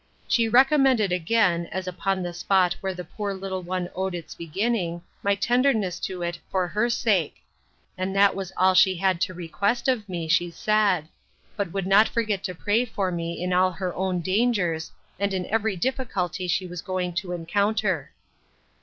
She recommended again, as upon the spot where the poor little one owed its being, my tenderness to it, for her sake; and that was all she had to request of me, she said; but would not forget to pray for me in all her own dangers, and in every difficulty she was going to encounter.